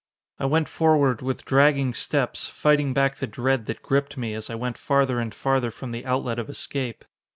I went forward with dragging steps, fighting back the dread that gripped me as I went farther and farther from the outlet of escape.